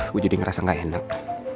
aku jadi ngerasa gak enak